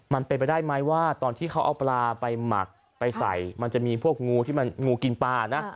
มันเป็นไปได้ไหมว่าตอนที่เขาเอาปลาไปหมักไปใส่มันจะมีพวกงูที่มันงูกินปลานะ